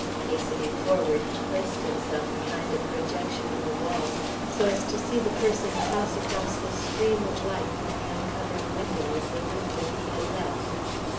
Hastening forward, he placed himself behind a projection in the wall, so as to see the person pass across the stream of light from the uncovered window of the room that he had left.